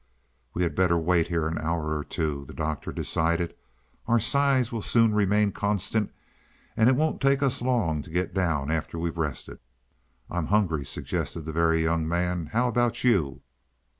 "We had better wait here an hour or two," the Doctor decided. "Our size will soon remain constant and it won't take us long to get down after we've rested." "I'm hungry," suggested the Very Young Man, "how about you?"